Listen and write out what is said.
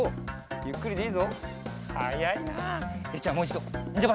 ゆっくりでいいぞ。